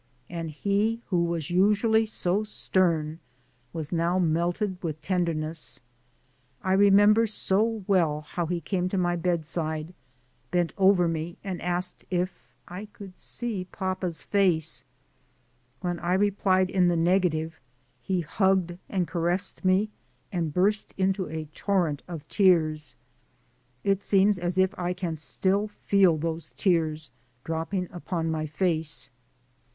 And he who was usually so stern was now melted with tenderness. I remember so well how he came to my bedside, bent over me and asked if I could see "papa's face." When I replied in the negative, he hugged and caressed me and burst into a torrent of tears. It seems as if I can still feel those tears dropping upon my face.